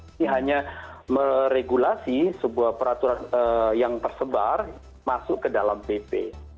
ini hanya meregulasi sebuah peraturan yang tersebar masuk ke dalam pp